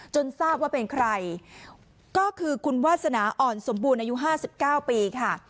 จนทราบว่าเป็นใครก็คือคุณวาสนาอ่อนสมบูรณ์อายุห้าสิบเก้าปีค่ะ